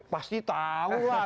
pasti tau lah